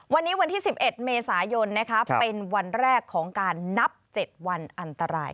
วันนี้วันที่๑๑เมษายนเป็นวันแรกของการนับ๗วันอันตราย